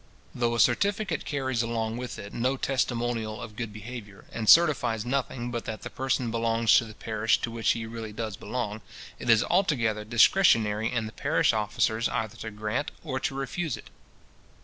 Though a certificate carries along with it no testimonial of good behaviour, and certifies nothing but that the person belongs to the parish to which he really does belong, it is altogether discretionary in the parish officers either to grant or to refuse it.